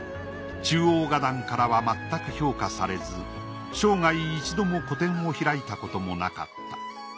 中央画壇からはまったく評価されず生涯一度も個展を開いたこともなかった。